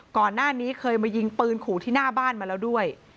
ก่อนหน้านี้เคยมายิงปืนขู่ที่หน้าบ้านมาแล้วด้วย